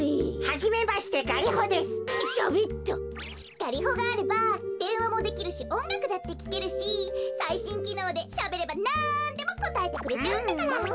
ガリホがあればでんわもできるしおんがくだってきけるしさいしんきのうでしゃべればなんでもこたえてくれちゃうんだから！